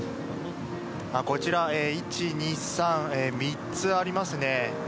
こちら１、２、３３つありますね。